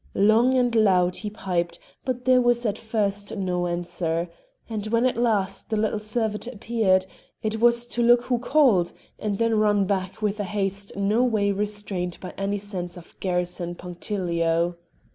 Long and loud he piped, but there was at first no answer; and when at last the little servitor appeared, it was to look who called, and then run back with a haste no way restrained by any sense of garrison punctilio.